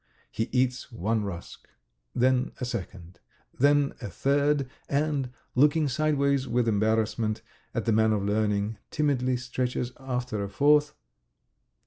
He eats one rusk, then a second, then a third, and, looking sideways, with embarrassment, at the man of learning, timidly stretches after a fourth.